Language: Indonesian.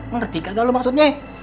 ngerti kagak lu maksudnya